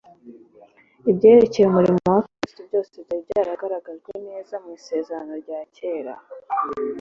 Ibyerekeye umurimo wa Kristo byose byari byaragaragajwe neza mu Isezerano rya kera;